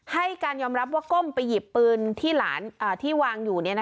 ให้การยอมรับว่าก้มไปหยิบปืนที่หลานที่วางอยู่